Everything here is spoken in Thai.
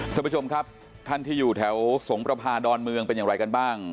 ท่านผู้ชมครับท่านที่อยู่แถวสงประพาดอนเมืองเป็นอย่างไรกันบ้าง